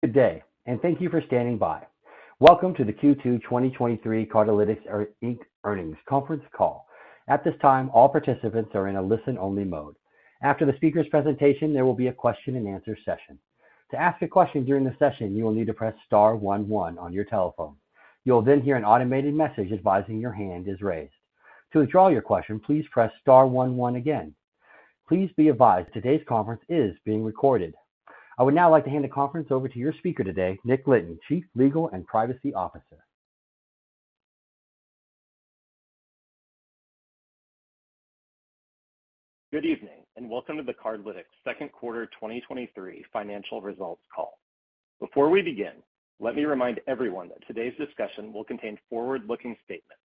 Good day, thank you for standing by. Welcome to the Q2 2023 Cardlytics, Inc. earnings conference call. At this time, all participants are in a listen-only mode. After the speaker's presentation, there will be a question and answer session. To ask a question during the session, you will need to press star one one on your telephone. You'll hear an automated message advising your hand is raised. To withdraw your question, please press star one one again. Please be advised, today's conference is being recorded. I would now like to hand the conference over to your speaker today, Nick Lynton, Chief Legal and Privacy Officer. Good evening, and welcome to the Cardlytics second quarter 2023 financial results call. Before we begin, let me remind everyone that today's discussion will contain forward-looking statements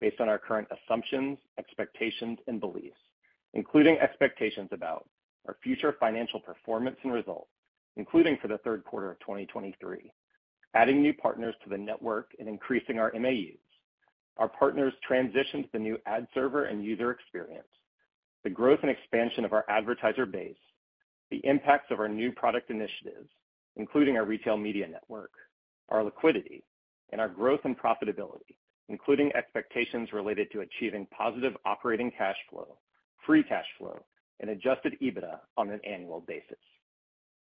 based on our current assumptions, expectations, and beliefs, including expectations about our future financial performance and results, including for the third quarter of 2023, adding new partners to the network and increasing our MAUs; our partners' transition to the new ad server and user experience; the growth and expansion of our advertiser base; the impacts of our new product initiatives, including our retail media network; our liquidity; and our growth and profitability, including expectations related to achieving positive operating cash flow, free cash flow, and adjusted EBITDA on an annual basis.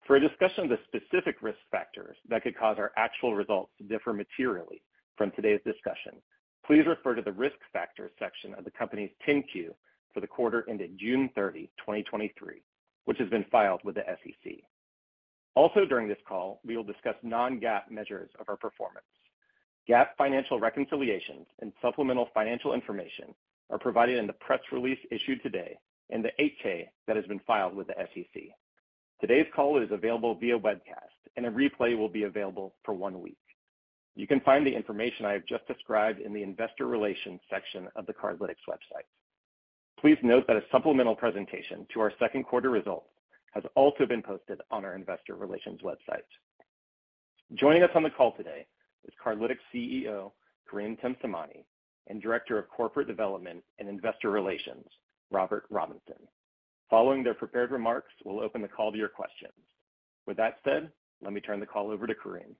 For a discussion of the specific risk factors that could cause our actual results to differ materially from today's discussion, please refer to the Risk Factors section of the company's 10-Q for the quarter ended June 30, 2023, which has been filed with the SEC. Also, during this call, we will discuss non-GAAP measures of our performance. GAAP financial reconciliations and supplemental financial information are provided in the press release issued today and the 8-K that has been filed with the SEC. Today's call is available via webcast, and a replay will be available for one week. You can find the information I have just described in the Investor Relations section of the Cardlytics website. Please note that a supplemental presentation to our second quarter results has also been posted on our investor relations website. Joining us on the call today is Cardlytics CEO, Karim Temsamani, and Director of Corporate Development and Investor Relations, Robert Robinson. Following their prepared remarks, we'll open the call to your questions. With that said, let me turn the call over to Karim.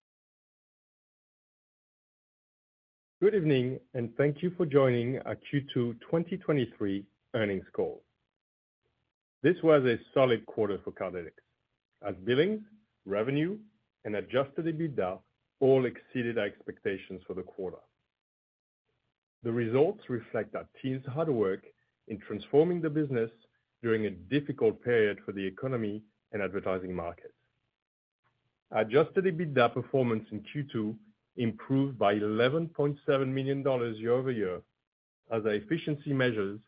Good evening, thank you for joining our Q2 2023 earnings call. This was a solid quarter for Cardlytics, as billings, revenue, and adjusted EBITDA all exceeded our expectations for the quarter. The results reflect our team's hard work in transforming the business during a difficult period for the economy and advertising markets. Adjusted EBITDA performance in Q2 improved by $11.7 million year-over-year as our efficiency measures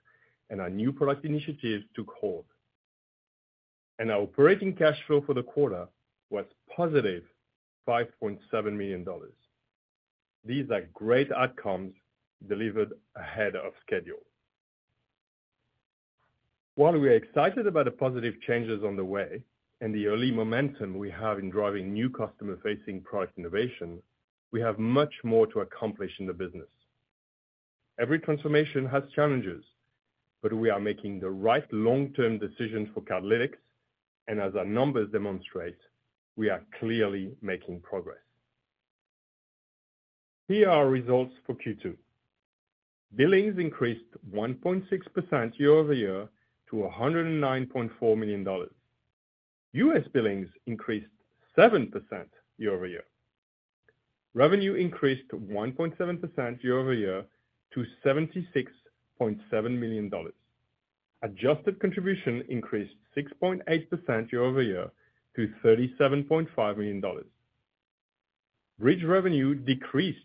and our new product initiatives took hold. Our operating cash flow for the quarter was positive $5.7 million. These are great outcomes delivered ahead of schedule. While we are excited about the positive changes on the way and the early momentum we have in driving new customer-facing product innovation, we have much more to accomplish in the business. Every transformation has challenges, we are making the right long-term decisions for Cardlytics, and as our numbers demonstrate, we are clearly making progress. Here are our results for Q2. Billings increased 1.6% year-over-year to $109.4 million. US billings increased 7% year-over-year. Revenue increased 1.7% year-over-year to $76.7 million. Adjusted Contribution increased 6.8% year-over-year to $37.5 million. Bridg revenue decreased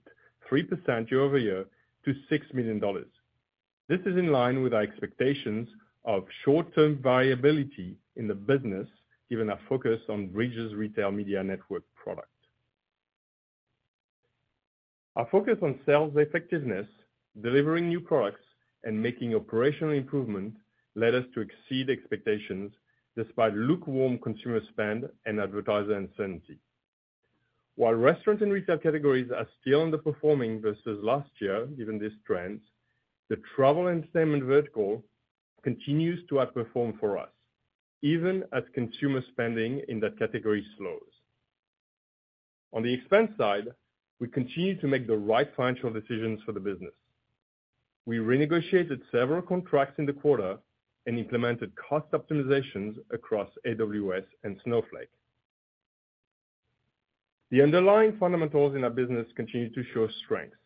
3% year-over-year to $6 million. This is in line with our expectations of short-term viability in the business, given our focus on Bridg's retail media network product. Our focus on sales effectiveness, delivering new products, and making operational improvement led us to exceed expectations despite lukewarm consumer spend and advertiser uncertainty. While restaurant and retail categories are still underperforming versus last year, given these trends, the travel and entertainment vertical continues to outperform for us, even as consumer spending in that category slows. On the expense side, we continue to make the right financial decisions for the business. We renegotiated several contracts in the quarter and implemented cost optimizations across AWS and Snowflake. The underlying fundamentals in our business continue to show strength.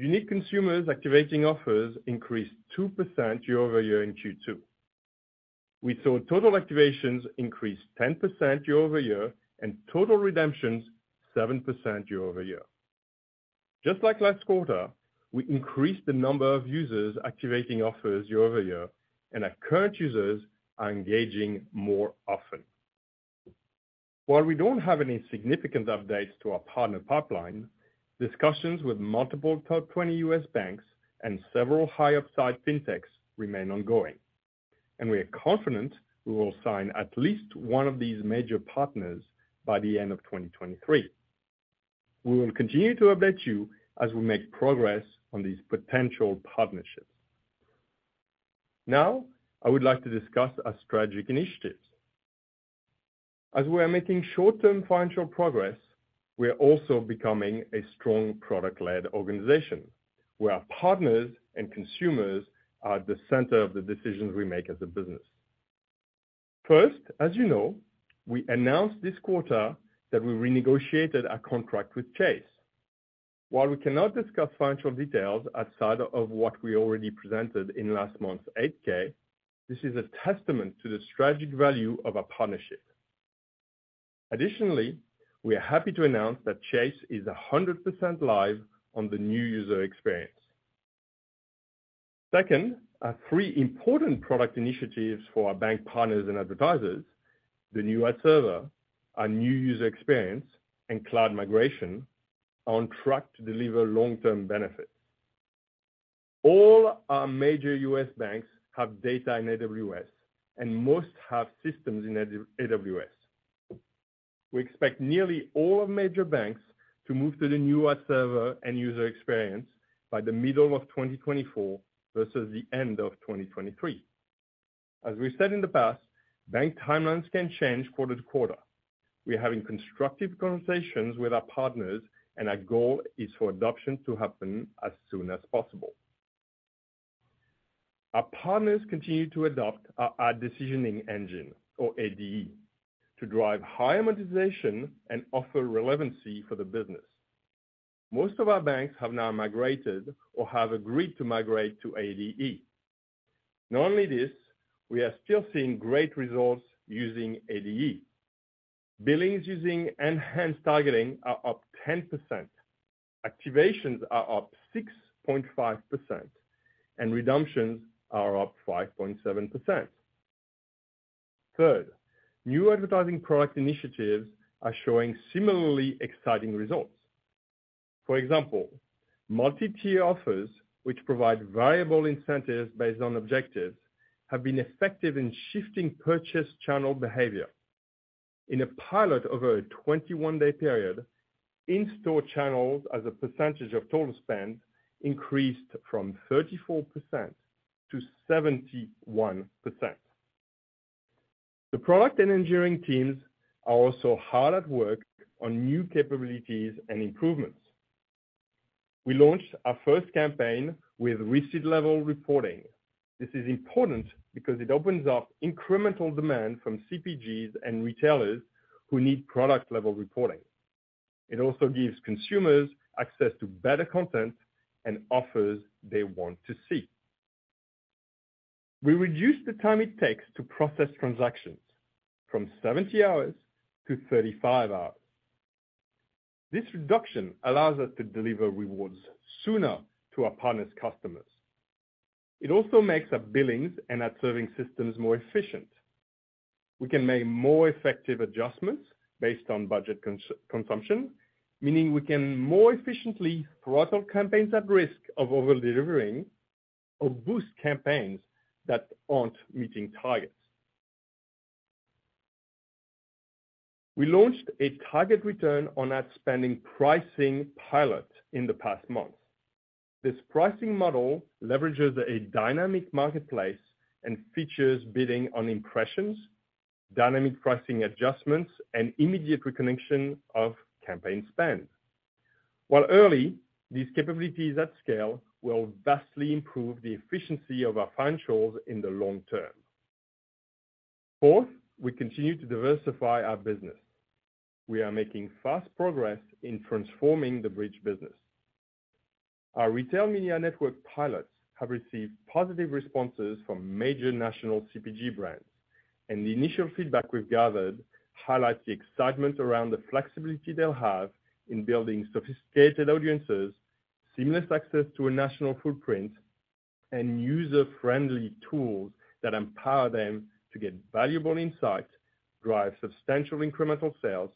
Unique consumers activating offers increased 2% year-over-year in Q2. We saw total activations increase 10% year-over-year, and total redemptions, 7% year-over-year. Just like last quarter, we increased the number of users activating offers year-over-year, and our current users are engaging more often. While we don't have any significant updates to our partner pipeline, discussions with multiple top 20 US banks and several high upside fintechs remain ongoing, and we are confident we will sign at least one of these major partners by the end of 2023. We will continue to update you as we make progress on these potential partnerships. I would like to discuss our strategic initiatives. As we are making short-term financial progress, we are also becoming a strong product-led organization, where our partners and consumers are at the center of the decisions we make as a business. As you know, we announced this quarter that we renegotiated our contract with Chase. While we cannot discuss financial details outside of what we already presented in last month's 8-K, this is a testament to the strategic value of our partnership. Additionally, we are happy to announce that Chase is 100% live on the new user experience. Second, our three important product initiatives for our bank partners and advertisers, the new ad server, our new user experience, and cloud migration, are on track to deliver long-term benefits. All our major US banks have data in AWS, and most have systems in AWS. We expect nearly all of major banks to move to the new ad server and user experience by the middle of 2024, versus the end of 2023. As we said in the past, bank timelines can change quarter to quarter. We are having constructive conversations with our partners, and our goal is for adoption to happen as soon as possible. Our partners continue to adopt our ad decisioning engine, or ADE, to drive high monetization and offer relevancy for the business. Most of our banks have now migrated or have agreed to migrate to ADE. Not only this, we are still seeing great results using ADE. Billings using enhanced targeting are up 10%, activations are up 6.5%, and redemptions are up 5.7%. Third, new advertising product initiatives are showing similarly exciting results. For example, multi-tier offers, which provide variable incentives based on objectives, have been effective in shifting purchase channel behavior. In a pilot over a 21-day period, in-store channels as a percentage of total spend increased from 34% to 71%. The product and engineering teams are also hard at work on new capabilities and improvements. We launched our first campaign with receipt-level reporting. This is important because it opens up incremental demand from CPGs and retailers who need product-level reporting. It also gives consumers access to better content and offers they want to see. We reduced the time it takes to process transactions from 70 hours to 35 hours. This reduction allows us to deliver rewards sooner to our partners' customers. It also makes our billings and ad serving systems more efficient. We can make more effective adjustments based on budget consumption, meaning we can more efficiently throttle campaigns at risk of over-delivering or boost campaigns that aren't meeting targets. We launched a target return on ad spend pricing pilot in the past month. This pricing model leverages a dynamic marketplace and features bidding on impressions, dynamic pricing adjustments, and immediate reconnection of campaign spend. While early, these capabilities at scale will vastly improve the efficiency of our financials in the long term. Fourth, we continue to diversify our business. We are making fast progress in transforming the Bridg business. Our retail media network pilots have received positive responses from major national CPG brands. The initial feedback we've gathered highlights the excitement around the flexibility they'll have in building sophisticated audiences, seamless access to a national footprint, and user-friendly tools that empower them to get valuable insight, drive substantial incremental sales,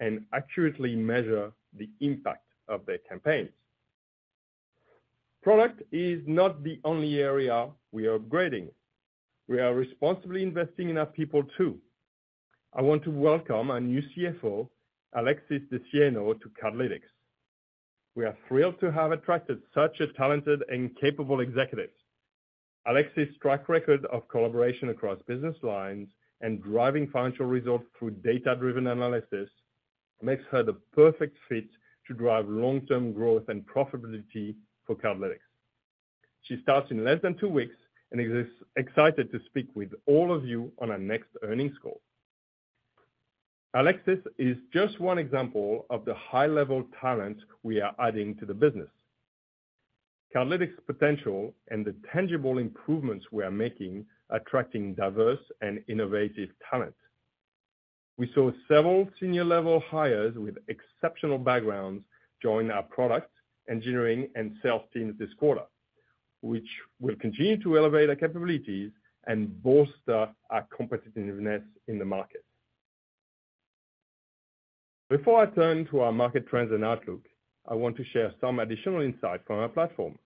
and accurately measure the impact of their campaigns. Product is not the only area we are upgrading. We are responsibly investing in our people, too. I want to welcome our new CFO, Alexis DeSieno, to Cardlytics. We are thrilled to have attracted such a talented and capable executive. Alexis' track record of collaboration across business lines and driving financial results through data-driven analysis makes her the perfect fit to drive long-term growth and profitability for Cardlytics. She starts in less than 2 weeks and is excited to speak with all of you on our next earnings call. Alexis is just one example of the high-level talent we are adding to the business. Cardlytics' potential and the tangible improvements we are making are attracting diverse and innovative talent. We saw several senior-level hires with exceptional backgrounds join our product, engineering, and sales teams this quarter, which will continue to elevate our capabilities and bolster our competitiveness in the market. Before I turn to our market trends and outlook, I want to share some additional insight from our platform.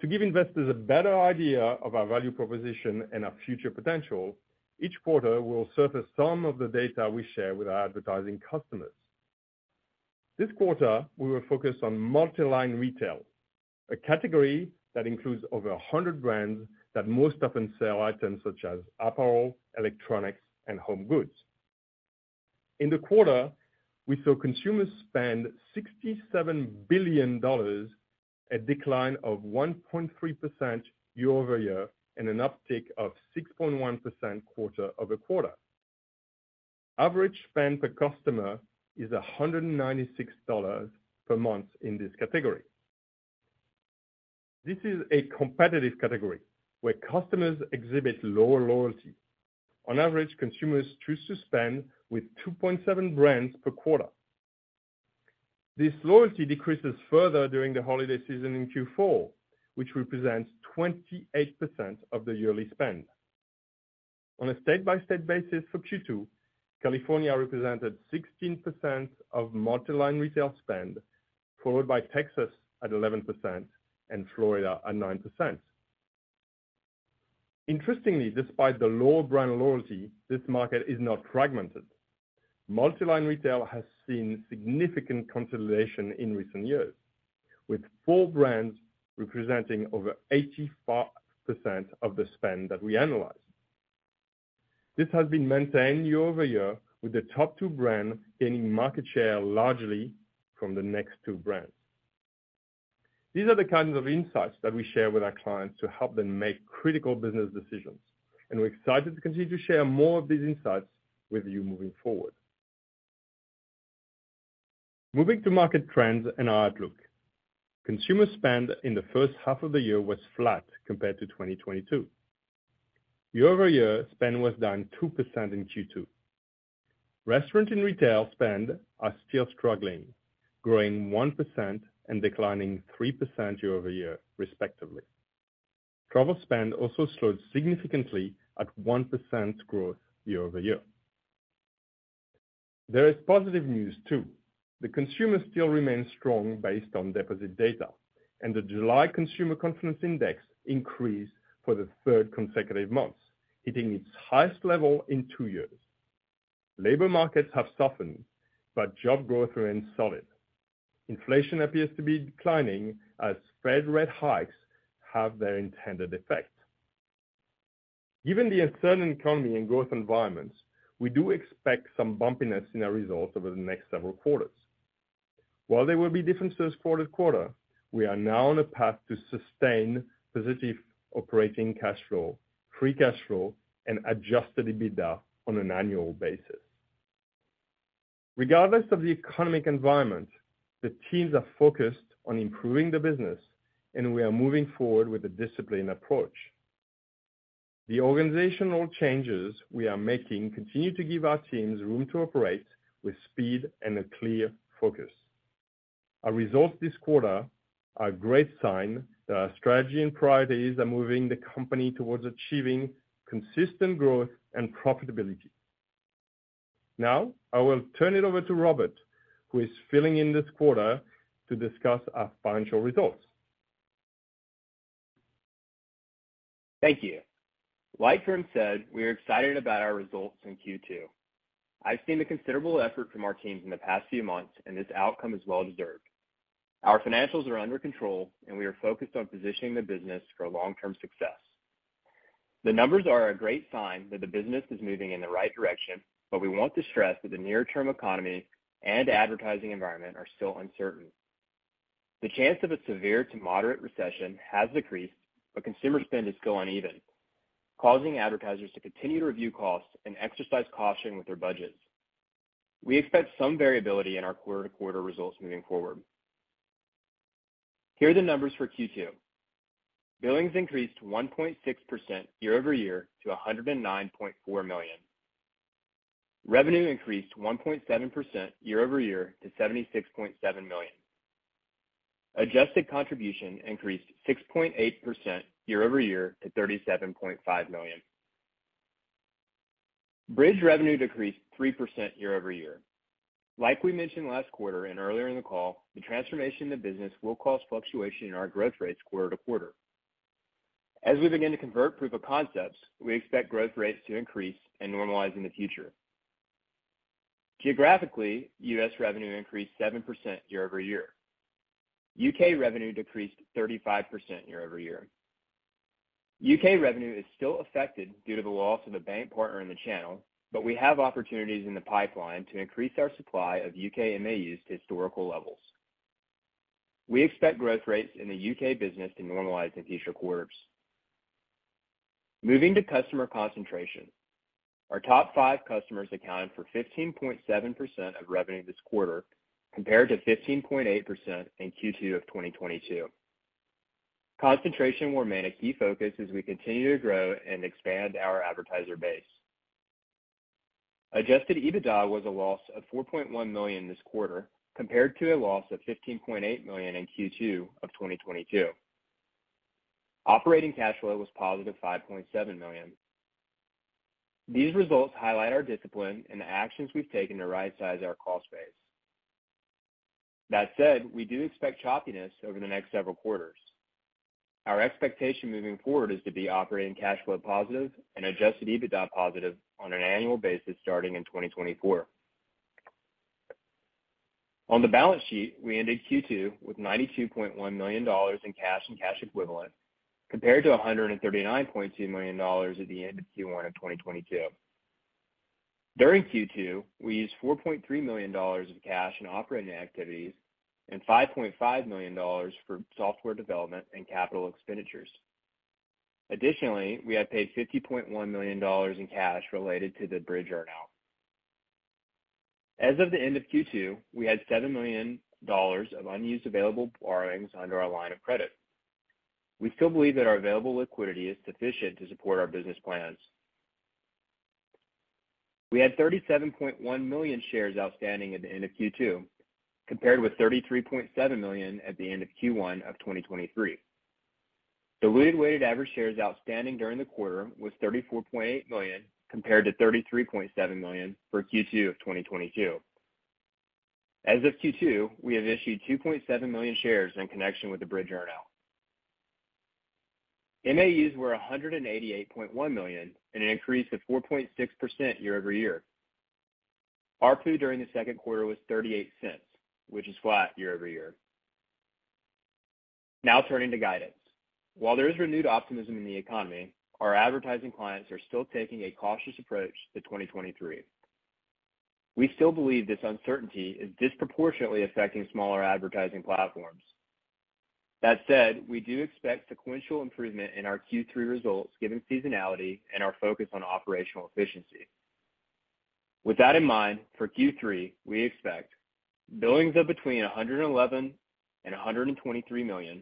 To give investors a better idea of our value proposition and our future potential, each quarter we'll surface some of the data we share with our advertising customers. This quarter, we were focused on multiline retail, a category that includes over 100 brands that most often sell items such as apparel, electronics, and home goods. In the quarter, we saw consumers spend $67 billion, a decline of 1.3% year-over-year, and an uptick of 6.1% quarter-over-quarter. Average spend per customer is $196 per month in this category. This is a competitive category where customers exhibit lower loyalty. On average, consumers choose to spend with 2.7 brands per quarter. This loyalty decreases further during the holiday season in Q4, which represents 28% of the yearly spend. On a state-by-state basis for Q2, California represented 16% of multiline retail spend, followed by Texas at 11% and Florida at 9%. Interestingly, despite the lower brand loyalty, this market is not fragmented. Multiline retail has seen significant consolidation in recent years, with four brands representing over 85% of the spend that we analyze. This has been maintained year-over-year, with the top two brands gaining market share largely from the next two brands. These are the kinds of insights that we share with our clients to help them make critical business decisions, and we're excited to continue to share more of these insights with you moving forward. Moving to market trends and our outlook. Consumer spend in the first half of the year was flat compared to 2022. Year-over-year, spend was down 2% in Q2. Restaurant and retail spend are still struggling, growing 1% and declining 3% year-over-year, respectively. Travel spend also slowed significantly at 1% growth year-over-year. There is positive news, too. The consumer still remains strong based on deposit data, the July Consumer Confidence Index increased for the third consecutive month, hitting its highest level in two years. Labor markets have softened, job growth remains solid. Inflation appears to be declining as Fed rate hikes have their intended effect. Given the uncertain economy and growth environments, we do expect some bumpiness in our results over the next several quarters. While there will be differences quarter to quarter, we are now on a path to sustain positive operating cash flow, free cash flow, and adjusted EBITDA on an annual basis. Regardless of the economic environment, the teams are focused on improving the business, we are moving forward with a disciplined approach. The organizational changes we are making continue to give our teams room to operate with speed and a clear focus. Our results this quarter are a great sign that our strategy and priorities are moving the company towards achieving consistent growth and profitability. Now, I will turn it over to Robert, who is filling in this quarter, to discuss our financial results. Thank you. Like Karim said, we are excited about our results in Q2. I've seen the considerable effort from our teams in the past few months, and this outcome is well deserved. Our financials are under control, and we are focused on positioning the business for long-term success. The numbers are a great sign that the business is moving in the right direction, but we want to stress that the near-term economy and advertising environment are still uncertain. The chance of a severe to moderate recession has decreased, but consumer spend is still uneven, causing advertisers to continue to review costs and exercise caution with their budgets. We expect some variability in our quarter-to-quarter results moving forward. Here are the numbers for Q2. Billings increased 1.6% year-over-year to $109.4 million. Revenue increased 1.7% year-over-year to $76.7 million. Adjusted Contribution increased 6.8% year-over-year to $37.5 million. Bridg revenue decreased 3% year-over-year. Like we mentioned last quarter and earlier in the call, the transformation of the business will cause fluctuation in our growth rates quarter-to-quarter. As we begin to convert proof of concepts, we expect growth rates to increase and normalize in the future. Geographically, US revenue increased 7% year-over-year. UK revenue decreased 35% year-over-year. UK revenue is still affected due to the loss of a bank partner in the channel, but we have opportunities in the pipeline to increase our supply of UK MAUs to historical levels. We expect growth rates in the UK business to normalize in future quarters. Moving to customer concentration. Our top five customers accounted for 15.7% of revenue this quarter, compared to 15.8% in Q2 of 2022. Concentration will remain a key focus as we continue to grow and expand our advertiser base. Adjusted EBITDA was a loss of $4.1 million this quarter, compared to a loss of $15.8 million in Q2 of 2022. Operating cash flow was positive $5.7 million. These results highlight our discipline and the actions we've taken to rightsize our cost base. That said, we do expect choppiness over the next several quarters. Our expectation moving forward is to be operating cash flow positive and Adjusted EBITDA positive on an annual basis starting in 2024. On the balance sheet, we ended Q2 with $92.1 million in cash and cash equivalent, compared to $139.2 million at the end of Q1 of 2022. During Q2, we used $4.3 million of cash in operating activities and $5.5 million for software development and capital expenditures. Additionally, we have paid $50.1 million in cash related to the Bridg earnout. As of the end of Q2, we had $7 million of unused available borrowings under our line of credit. We still believe that our available liquidity is sufficient to support our business plans. We had 37.1 million shares outstanding at the end of Q2, compared with 33.7 million at the end of Q1 of 2023. Diluted weighted average shares outstanding during the quarter was 34.8 million, compared to 33.7 million for Q2 of 2022. As of Q2, we have issued 2.7 million shares in connection with the Bridg earnout. MAUs were 188.1 million, an increase of 4.6% year-over-year. ARPU during the second quarter was $0.38, which is flat year-over-year. Turning to guidance. While there is renewed optimism in the economy, our advertising clients are still taking a cautious approach to 2023. We still believe this uncertainty is disproportionately affecting smaller advertising platforms. That said, we do expect sequential improvement in our Q3 results, given seasonality and our focus on operational efficiency. With that in mind, for Q3, we expect billings of between $111 million and $123 million,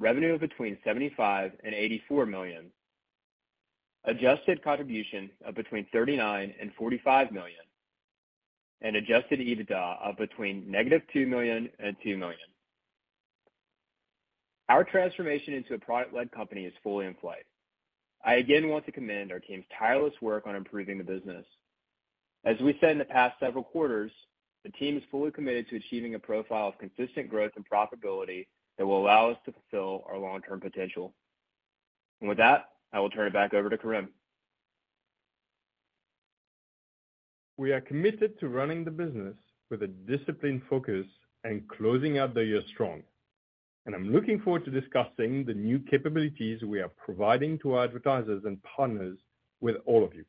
revenue of between $75 million and $84 million, adjusted contribution of between $39 million and $45 million, adjusted EBITDA of between -$2 million and $2 million. Our transformation into a product-led company is fully in flight. I again want to commend our team's tireless work on improving the business. As we said in the past several quarters, the team is fully committed to achieving a profile of consistent growth and profitability that will allow us to fulfill our long-term potential. With that, I will turn it back over to Karim. We are committed to running the business with a disciplined focus and closing out the year strong. I'm looking forward to discussing the new capabilities we are providing to our advertisers and partners with all of you.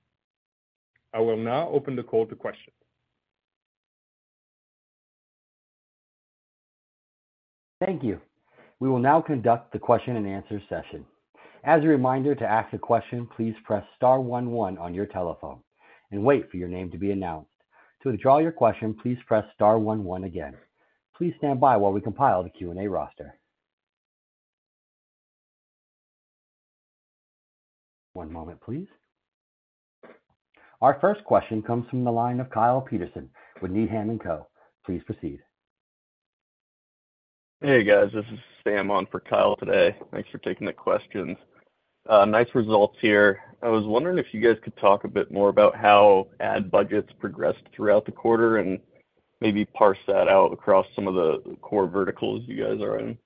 I will now open the call to questions. Thank you. We will now conduct the question-and-answer session. As a reminder, to ask a question, please press star one one on your telephone and wait for your name to be announced. To withdraw your question, please press star one one again. Please stand by while we compile the Q&A roster. One moment, please. Our first question comes from the line of Kyle Peterson with Needham & Co. Please proceed. Hey, guys, this is Sam on for Kyle today. Thanks for taking the questions. Nice results here. I was wondering if you guys could talk a bit more about how ad budgets progressed throughout the quarter, and maybe parse that out across some of the core verticals you guys are in.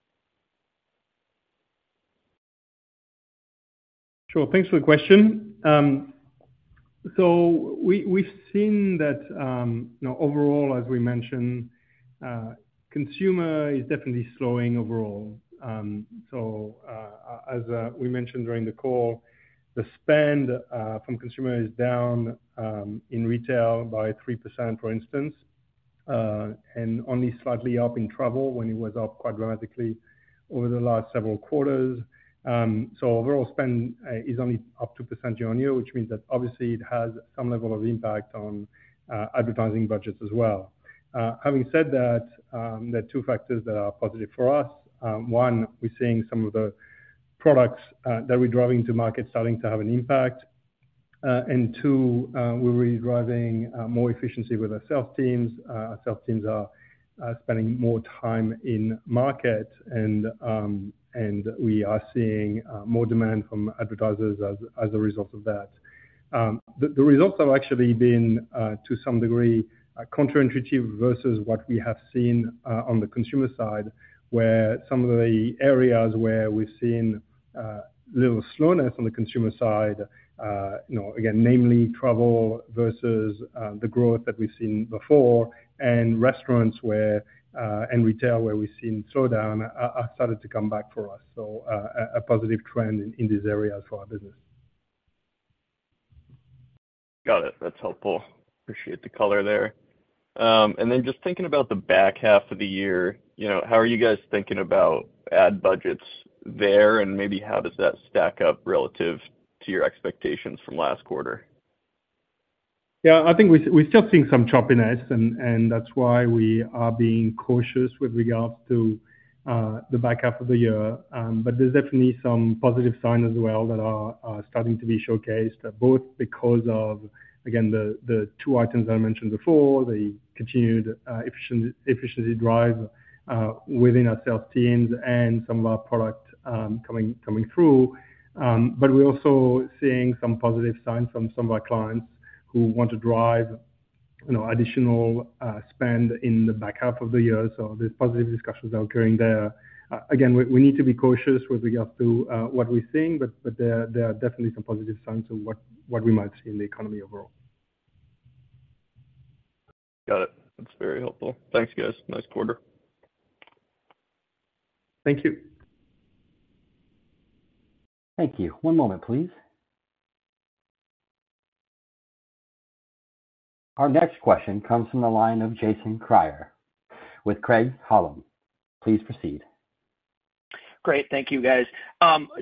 Sure. Thanks for the question. So we, we've seen that, you know, overall, as we mentioned, consumer is definitely slowing overall. So, as we mentioned during the call, the spend from consumer is down in retail by 3%, for instance, and only slightly up in travel, when it was up quite dramatically over the last several quarters. So overall spend is only up 2% year-on-year, which means that obviously it has some level of impact on advertising budgets as well. Having said that, there are two factors that are positive for us. One, we're seeing some of the products that we're driving to market starting to have an impact. And two, we're really driving more efficiency with our sales teams. Our sales teams are spending more time in market, and we are seeing more demand from advertisers as a result of that. The results have actually been to some degree counterintuitive versus what we have seen on the consumer side, where some of the areas where we've seen little slowness on the consumer side, you know, again, namely travel versus the growth that we've seen before, and restaurants where and retail, where we've seen slowdown, are starting to come back for us. A positive trend in these areas for our business. Got it. That's helpful. Appreciate the color there. Then just thinking about the back half of the year, you know, how are you guys thinking about ad budgets there? Maybe how does that stack up relative to your expectations from last quarter? Yeah, I think we're, we're still seeing some choppiness, and, and that's why we are being cautious with regards to the back half of the year. There's definitely some positive signs as well that are, are starting to be showcased, both because of, again, the, the two items I mentioned before, the continued efficiency, efficiency drive within our sales teams and some of our product coming, coming through. We're also seeing some positive signs from some of our clients who want to drive, you know, additional spend in the back half of the year. There's positive discussions occurring there. Again, we, we need to be cautious with regard to what we're seeing, but, but there are, there are definitely some positive signs of what, what we might see in the economy overall. Got it. That's very helpful. Thanks, guys. Nice quarter. Thank you. Thank you. One moment, please. Our next question comes from the line of Jason Kreyer with Craig-Hallum. Please proceed. Great. Thank you, guys.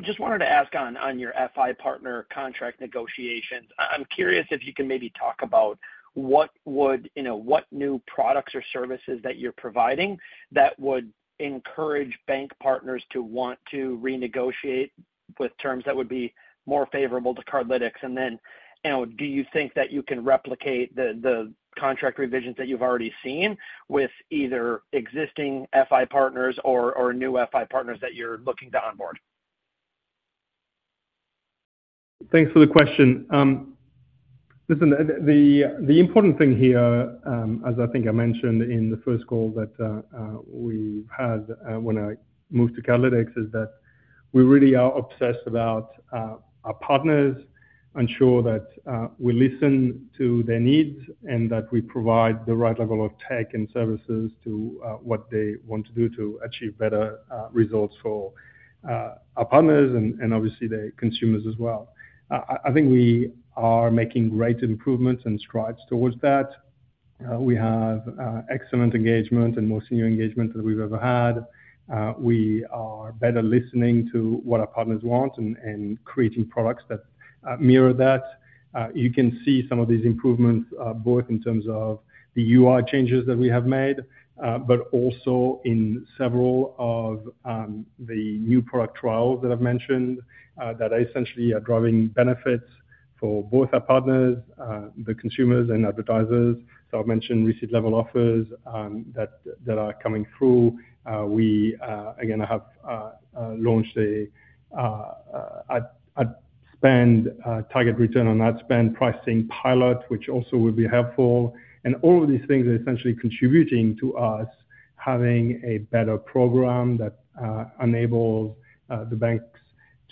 Just wanted to ask on, on your FI partner contract negotiations. I, I'm curious if you can maybe talk about what would, you know, what new products or services that you're providing that would encourage bank partners to want to renegotiate with terms that would be more favorable to Cardlytics? You know, do you think that you can replicate the, the contract revisions that you've already seen with either existing FI partners or, or new FI partners that you're looking to onboard? Thanks for the question. Listen, the, the, the important thing here, as I think I mentioned in the first call that we've had, when I moved to Cardlytics, is that we really are obsessed about our partners, ensure that we listen to their needs, and that we provide the right level of tech and services to what they want to do to achieve better results for our partners and, and obviously, their consumers as well. I think we are making great improvements and strides towards that. We have excellent engagement and more senior engagement than we've ever had. We are better listening to what our partners want and, and creating products that mirror that. You can see some of these improvements, both in terms of the UI changes that we have made, but also in several of the new product trials that I've mentioned, that essentially are driving benefits for both our partners, the consumers and advertisers. I've mentioned receipt-level offers, that, that are coming through. We, again, have launched a target return on ad spend pricing pilot, which also will be helpful. All of these things are essentially contributing to us having a better program that enables the banks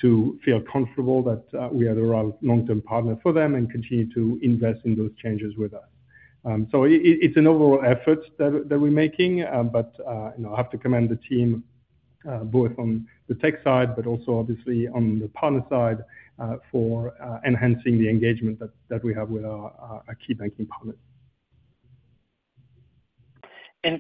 to feel comfortable that we are the right long-term partner for them and continue to invest in those changes with us. It's an overall effort that we're making. You know, I have to commend the team, both on the tech side, but also obviously on the partner side, for enhancing the engagement that we have with our, our key banking partners.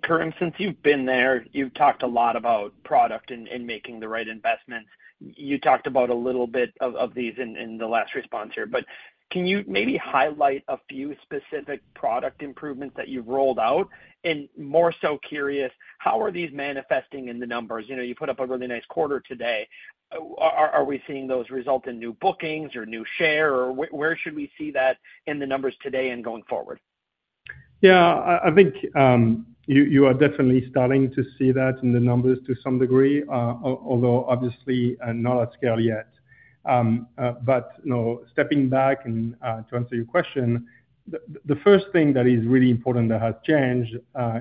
Karim, since you've been there, you've talked a lot about product and making the right investments. You talked about a little bit of these in the last response here, but can you maybe highlight a few specific product improvements that you've rolled out? And more so curious, how are these manifesting in the numbers? You know, you put up a really nice quarter today. Are we seeing those result in new bookings or new share, or where, where should we see that in the numbers today and going forward? Yeah, I think, you, you are definitely starting to see that in the numbers to some degree, although obviously, not at scale yet. You know, stepping back and to answer your question, the, the first thing that is really important that has changed,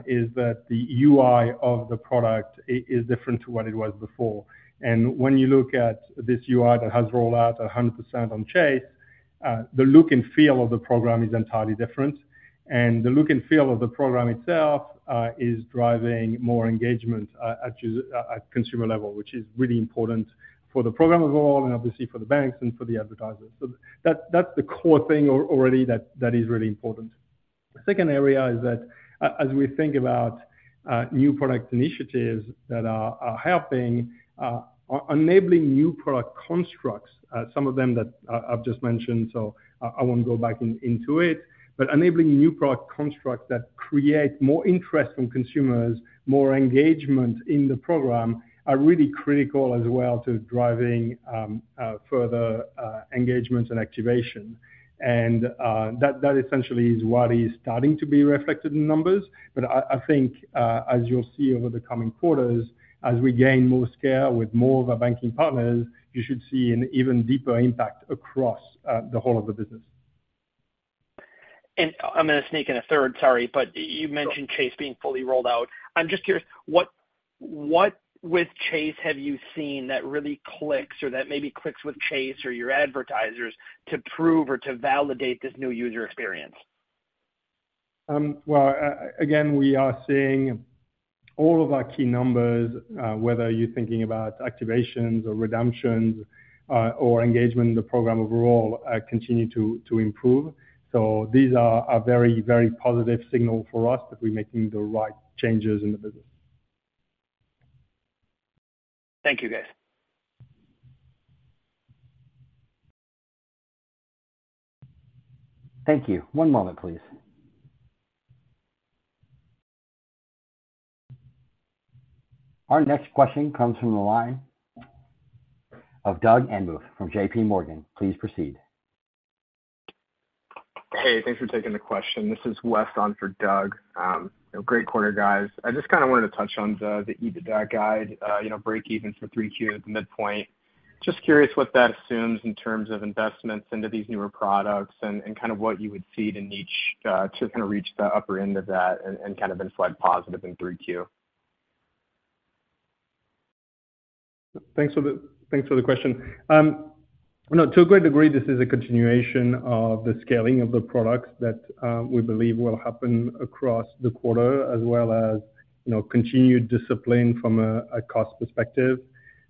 is that the UI of the product is different to what it was before. When you look at this UI that has rolled out 100% on Chase, the look and feel of the program is entirely different. The look and feel of the program itself, is driving more engagement, at, at consumer level, which is really important for the program overall, and obviously for the banks and for the advertisers. That's the core thing already that, that is really important. The second area is that as we think about new product initiatives that are, are helping, are enabling new product constructs, some of them that I've just mentioned, so, I won't go back in, into it. Enabling new product constructs that create more interest from consumers, more engagement in the program, are really critical as well to driving further engagement and activation. That, that essentially is what is starting to be reflected in numbers. I think, as you'll see over the coming quarters, as we gain more scale with more of our banking partners, you should see an even deeper impact across the whole of the business. I'm gonna sneak in a third, sorry. Sure. You mentioned Chase being fully rolled out. I'm just curious, what with Chase have you seen that really clicks or that maybe clicks with Chase or your advertisers to prove or to validate this new user experience? Well, again, we are seeing all of our key numbers, whether you're thinking about activations or redemptions, or engagement in the program overall, continue to improve. These are a very, very positive signal for us that we're making the right changes in the business. Thank you, guys. Thank you. One moment, please. Our next question comes from the line of Doug Anmuth from JPMorgan. Please proceed. Hey, thanks for taking the question. This is Wes on for Doug. Great quarter, guys. I just kind of wanted to touch on the EBITDA guide, you know, breakeven for 3Q at the midpoint. Just curious what that assumes in terms of investments into these newer products and, and kind of what you would see it in each, to kind of reach the upper end of that and, and kind of then slide positive in 3Q? Thanks for the question. No, to a great degree, this is a continuation of the scaling of the products that we believe will happen across the quarter, as well as, you know, continued discipline from a cost perspective.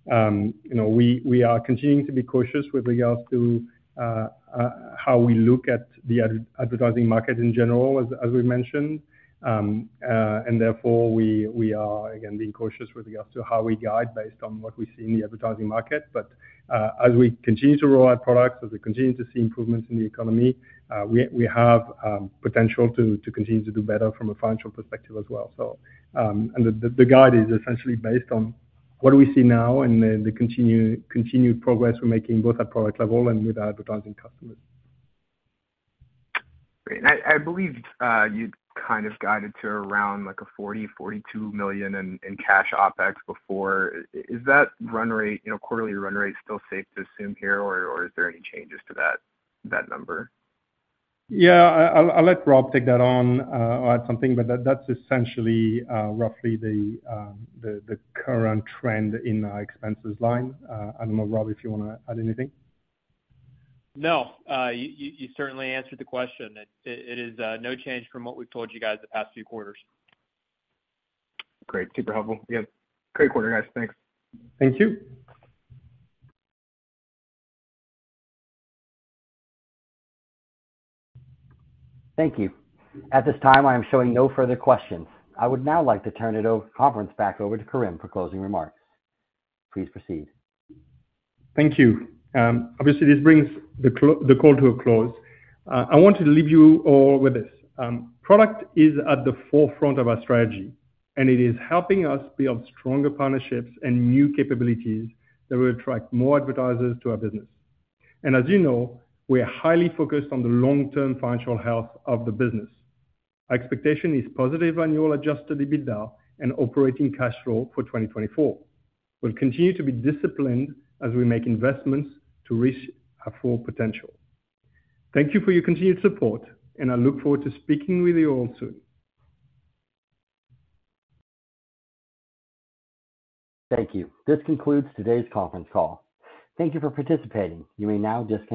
You know, we are continuing to be cautious with regards to how we look at the advertising market in general, as we mentioned. Therefore, we are, again, being cautious with regards to how we guide based on what we see in the advertising market. As we continue to roll out products, as we continue to see improvements in the economy, we have potential to continue to do better from a financial perspective as well, so. The guide is essentially based on what do we see now and then the continued progress we're making, both at product level and with our advertising customers. Great. I, I believe, you kind of guided to around, like, a $40 million-$42 million in, in cash OpEx before. Is that run rate, you know, quarterly run rate still safe to assume here, or, or is there any changes to that, that number? Yeah, I'll, I'll let Rob take that on, or add something, but that, that's essentially, roughly the, the, the current trend in our expenses line. I don't know, Rob, if you wanna add anything? No, you certainly answered the question. It is no change from what we've told you guys the past few quarters. Great. Super helpful. Yeah. Great quarter, guys. Thanks. Thank you. Thank you. At this time, I am showing no further questions. I would now like to turn the conference back over to Karim for closing remarks. Please proceed. Thank you. Obviously, this brings the call to a close. I want to leave you all with this: Product is at the forefront of our strategy, and it is helping us build stronger partnerships and new capabilities that will attract more advertisers to our business. As you know, we are highly focused on the long-term financial health of the business. Our expectation is positive annual adjusted EBITDA and operating cash flow for 2024. We'll continue to be disciplined as we make investments to reach our full potential. Thank you for your continued support, and I look forward to speaking with you all soon. Thank you. This concludes today's conference call. Thank you for participating. You may now disconnect.